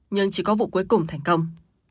nhưng chỉ có vụ cuối cùng thành công